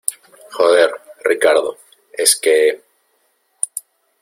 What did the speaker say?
joder, Ricardo , es que...